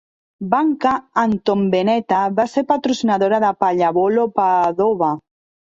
Banca Antonveneta va ser patrocinadora de Pallavolo Padova.